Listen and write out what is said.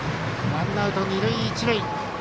ワンアウト、二塁一塁。